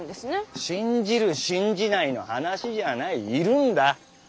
信じる信じないの話じゃあないいるんだッ。